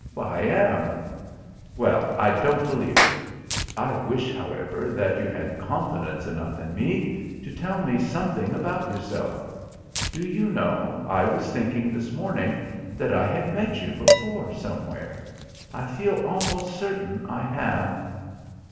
"I am." "Well, I don't believe it. I wish, however, that you had confidence enough in me to tell me something about yourself. Do you know, I was thinking this morning that I had met you before somewhere? I feel almost certain I have."